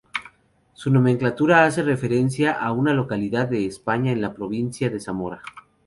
Su nomenclatura hace referencia a una localidad de España, en la provincia de Zamora.